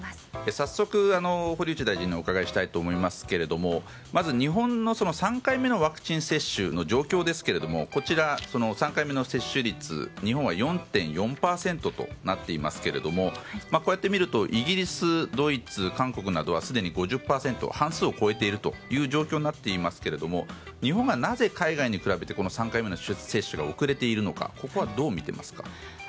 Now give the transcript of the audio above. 早速、堀内大臣にお伺いしたいと思いますけれどもまず日本の３回目のワクチン接種の状況ですが３回目の接種率日本は４．４％となっていますがこうやって見るとイギリスドイツ、韓国などはすでに５０％半数を超えているという状況になっていますが日本はなぜ海外に比べて３回目の接種が遅れているのか。